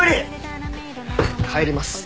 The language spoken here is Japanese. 帰ります。